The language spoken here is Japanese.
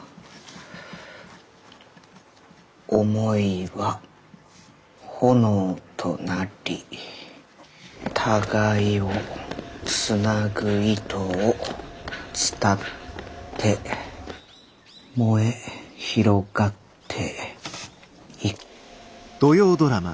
思いは炎となり互いをつなぐ糸を伝って燃え広がってい」。